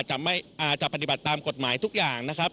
จะปฏิบัติตามกฎหมายทุกอย่างนะครับ